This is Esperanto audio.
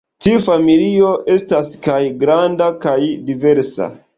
Tiu familio estas kaj granda kaj diversa.